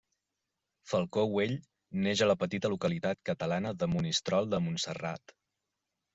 Falcó Güell neix a la petita localitat catalana de Monistrol de Montserrat.